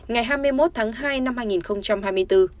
ngày hai mươi một tháng hai năm hai nghìn hai mươi bốn